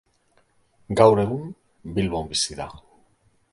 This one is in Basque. Gaur egun Bilbon bizi da.